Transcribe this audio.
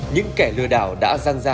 những kẻ lừa đảo đã gian ra